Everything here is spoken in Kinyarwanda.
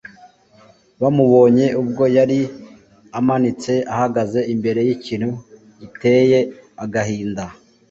bamubonye ubwo yari amamtse ahagaze imbere y'ikintu giteye agahinda